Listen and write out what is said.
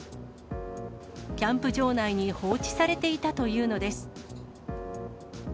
キャンプ場内に放置されていたというのです。